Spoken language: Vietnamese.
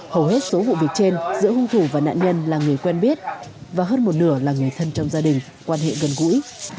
hầu hết số vụ việc trên giữa hung thủ và nạn nhân là người quen biết và hơn một nửa là người thân trong gia đình quan hệ gần gũi